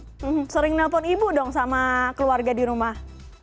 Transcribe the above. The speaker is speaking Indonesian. hmm sering nelpon ibu dong sama keluarga di rumah